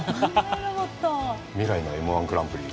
未来の「Ｍ−１グランプリ」